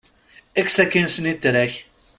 Ekkes akin snitra-k.